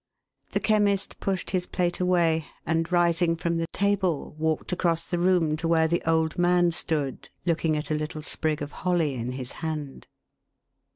The Chemist pushed his plate away, and, rising from the table, walked across the room to where the old man stood looking at a little sprig of holly in his hand.